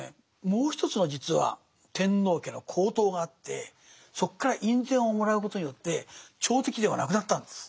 もうひとつの実は天皇家の皇統があってそこから院宣をもらうことによって朝敵ではなくなったんです。